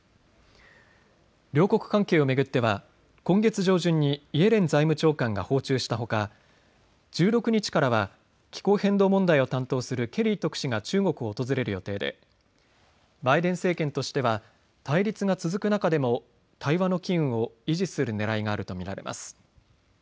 両国関係を巡っては今月上旬にイエレン財務長官が訪中したほか１６日からは気候変動問題を担当するケリー特使が中国を訪れる予定でバイデン政権としては対立が続く中でも対話の機運を維持するねらいがあると見られます。